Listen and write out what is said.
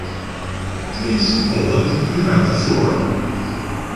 Please, Poland, you have the floor.